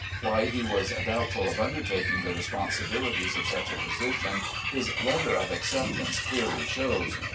Why he was doubtful of undertaking the responsibilities of such a position his letter of acceptance clearly shows.